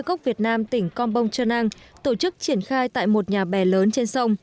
cốc việt nam tỉnh con pông trường năng tổ chức triển khai tại một nhà bè lớn trên sông